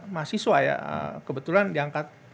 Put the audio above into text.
mahasiswa ya kebetulan diangkat